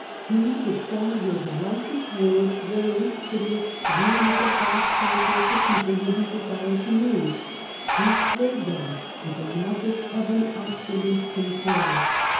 He could send his lightest word thrilling to the extreme of the vast concourse of people whom he desired to move. He swayed them with the magic of an absolute control.